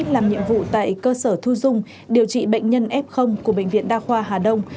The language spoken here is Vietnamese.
làm nhiệm vụ tại cơ sở thu dung điều trị bệnh nhân f của bệnh viện đa khoa hà đông